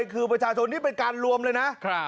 ก็จะเป็นพัจชาติชนนี่ไปการรวมเลยนะ